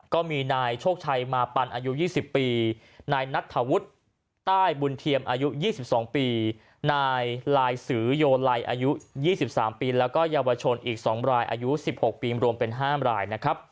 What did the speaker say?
ก็มีนายโชคชัยมาปันอายุ๒๐ปีนายนัทธวุฒิใต้บุญเทียมอายุ๒๒ปีนายลายสือโยไลอายุ๒๓ปีแล้วก็เยาวชนอีก๒รายอายุ๑๖ปีรวมเป็น๕รายนะครับ